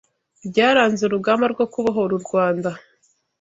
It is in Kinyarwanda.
byaranze urugamba rwo kubohora u Rwanda